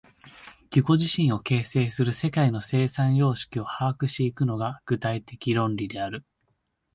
自己自身を形成する世界の生産様式を把握し行くのが、具体的論理である。